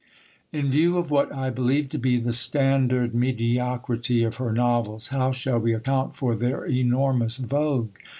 In view of what I believe to be the standard mediocrity of her novels, how shall we account for their enormous vogue?